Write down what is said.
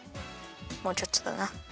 もうちょっとだな。